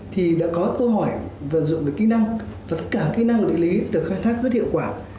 thì đã có câu hỏi vận dụng được kỹ năng và tất cả kỹ năng địa lý được khai thác rất hiệu quả